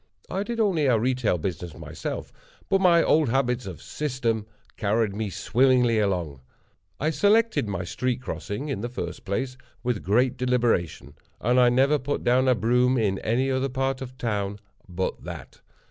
I did only a retail business myself, but my old habits of system carried me swimmingly along. I selected my street crossing, in the first place, with great deliberation, and I never put down a broom in any part of the town but that.